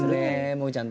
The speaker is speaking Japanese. もえちゃん